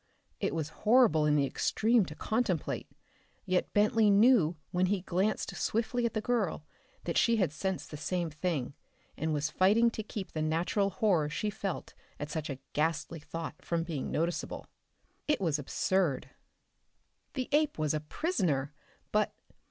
It was horrible in the extreme to contemplate, yet Bentley knew when he glanced swiftly at the girl that she had sensed the same thing and was fighting to keep the natural horror she felt at such a ghastly thought from being noticeable. It was absurd. The ape was a prisoner. But....